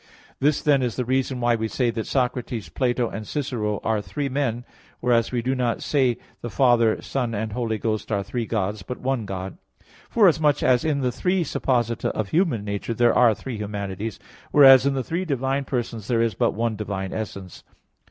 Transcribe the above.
This, then, is the reason why we say that Socrates, Plato and Cicero are "three men"; whereas we do not say the Father, Son and Holy Ghost are "three Gods," but "one God"; forasmuch as in the three supposita of human nature there are three humanities, whereas in the three divine Persons there is but one divine essence.